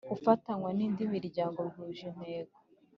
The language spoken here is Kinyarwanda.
Ufatanywa n indi miryango bihuje intego